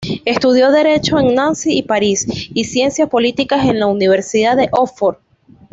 Estudió Derecho en Nancy y París, y Ciencias Políticas en la Universidad de Oxford.